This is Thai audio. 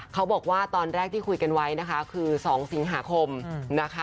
เขาบอกว่าตอนแรกที่คุยกันไว้นะคะคือ๒สิงหาคมนะคะ